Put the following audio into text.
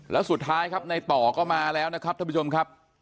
แล้วสุดท้ายครับในต่อก็มาแล้วนะครับท่านผู้ชมครับ